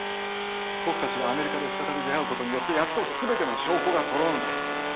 僕たちがアメリカで再び出会うことによってやっと全ての証拠がそろうんだ。